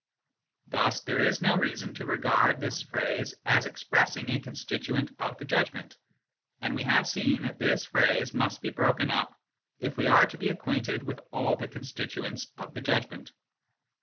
Thus there is no reason to regard this phrase as expressing a constituent of the judgment, and we have seen that this phrase must be broken up if we are to be acquainted with all the constituents of the judgment.